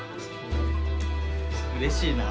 うれしいなぁ。